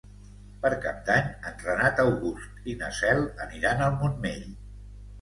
Per Cap d'Any en Renat August i na Cel aniran al Montmell.